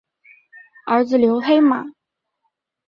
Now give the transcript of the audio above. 儿子刘黑马。